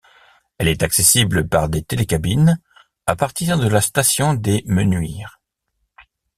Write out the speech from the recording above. Elle est accessible par des télécabines à partir de la station des Menuires.